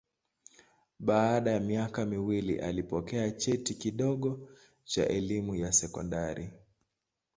Baada ya miaka miwili alipokea cheti kidogo cha elimu ya sekondari.